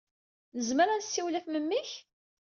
Nezmer ad nessiwel ɣef memmi-k?